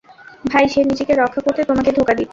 ভাই, সে নিজেকে রক্ষা করতে তোমাকে ধোঁকা দিচ্ছে।